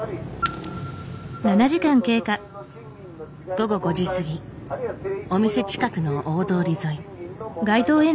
午後５時過ぎお店近くの大通り沿い。